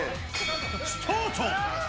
スタート。